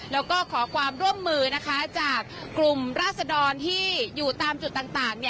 แล้วก็ขอความร่วมมือจากกลุ่มราศดรที่อยู่ตามจุดต่าง